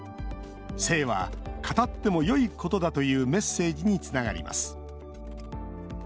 性は語ってもよいことだというメッセージにつながります。